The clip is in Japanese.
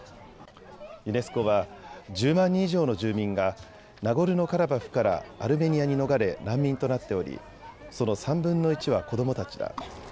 ユネスコは１０万人以上の住民がナゴルノカラバフからアルメニアに逃れ難民となっておりその３分の１は子どもたちだ。